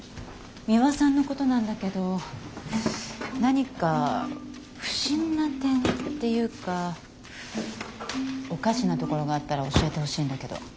ミワさんのことなんだけど何か不審な点っていうかおかしなところがあったら教えてほしいんだけど。